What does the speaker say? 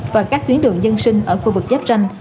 và các tuyến đường dân sinh ở khu vực giáp tranh